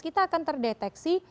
kita akan terdeteksi